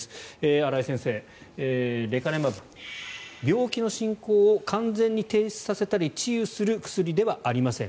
新井先生、レカネマブ病気の進行を完全に停止させたり治癒する薬ではありません。